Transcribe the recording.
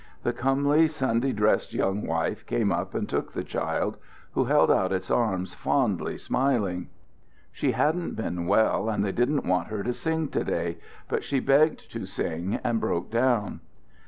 The comely, Sunday dressed young wife came up and took the child, who held out its arms, fondly smiling. "She hadn't been well, and they didn't want her to sing to day; but she begged to sing, and broke down."